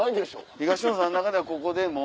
東野さんの中ではここでもう。